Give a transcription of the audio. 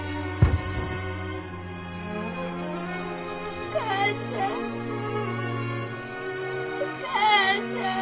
お母ちゃんお母ちゃん。